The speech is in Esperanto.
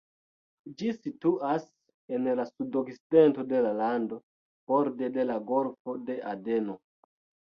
Ĝi situas en la sudokcidento de la lando, borde de la Golfo de Adeno.